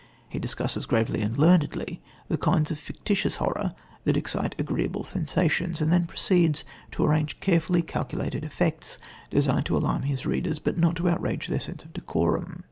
He discusses gravely and learnedly the kinds of fictitious horror that excite agreeable sensations, and then proceeds to arrange carefully calculated effects, designed to alarm his readers, but not to outrage their sense of decorum.